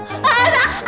aduh kecoanya matiin